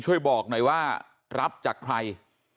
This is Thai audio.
ช่วยบอกหน่อยว่ารับจากใคร